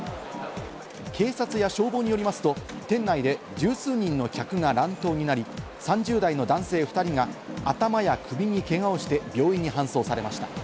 警察や消防によりますと店内で十数人の客が乱闘になり、３０代の男性２人が頭や首にけがをして病院に搬送されました。